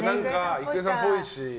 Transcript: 郁恵さんっぽいし。